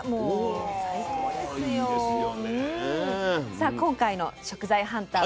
さあ今回の食材ハンター